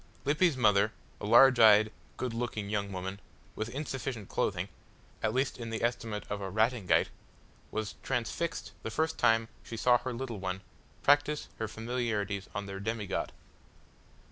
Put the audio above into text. Lippy's mother, a large eyed, good looking young woman, with insufficient clothing at least in the estimate of a Ratingaite was transfixed the first time she saw her little one practise her familiarities on their demigod.